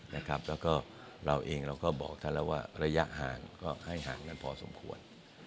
แล้วก็เราเองเราก็บอกท่านแล้วว่าระยะห่างก็ให้ห่างกันพอสมควร